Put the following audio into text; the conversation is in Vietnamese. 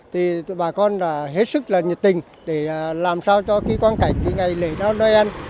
thì bà con đã hết sức là nhật tình để làm sao cho cái quan cảnh ngày lễ noel